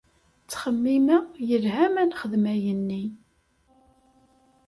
Ttxemmimeɣ yelha ma nexdem ayenni.